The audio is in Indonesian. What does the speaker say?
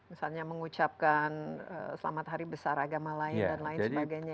misalnya mengucapkan selamat hari besar agama lain dan lain sebagainya